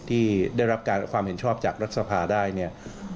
ที่ได้รับการความเห็นชอบจากรัฐสภาได้เนี่ย